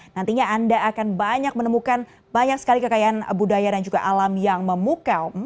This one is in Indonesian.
nantinya anda akan banyak menemukan banyak sekali kekayaan budaya dan juga alam yang memukau